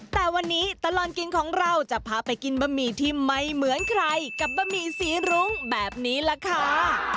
แต่วันนี้ตลอดกินของเราจะพาไปกินบะหมี่ที่ไม่เหมือนใครกับบะหมี่สีรุ้งแบบนี้ล่ะค่ะ